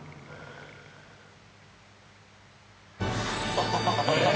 ハハハハ。